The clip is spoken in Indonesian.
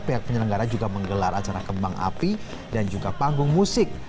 pihak penyelenggara juga menggelar acara kembang api dan juga panggung musik